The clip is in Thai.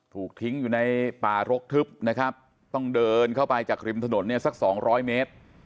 ถูกทิ้งอยู่ในป่ารกทึบนะครับต้องเดินเข้าไปจากริมถนนเนี่ยสักสองร้อยเมตร